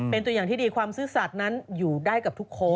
เป็นตัวอย่างที่ดีความซื่อสัตว์นั้นอยู่ได้กับทุกคน